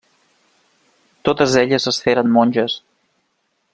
Totes elles es feren monges.